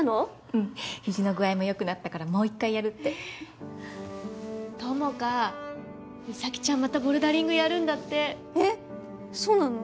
うん肘の具合もよくなったからもう一回やるって友果実咲ちゃんまたボルダリングやるんだってえっそうなの？